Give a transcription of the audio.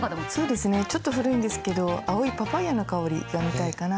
そうですねちょっと古いんですけど「青いパパイヤの香り」が見たいかな。